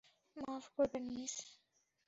মাফ করবেন, মিস।